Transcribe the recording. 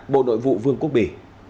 bộ nội vụ vương quốc bỉ